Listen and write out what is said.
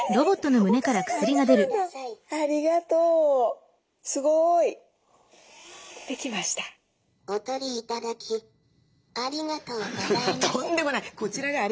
こちらがありがとうございます。